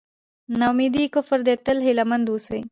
نا اميدي کفر دی تل هیله مند اوسئ.